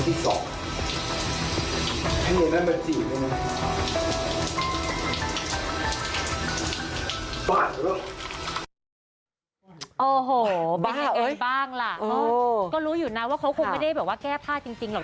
ดีจบ้างล่ะก็รู้อยู่นะว่าเขาไม่ได้แบบว่าแก้พ่าจริงหรอก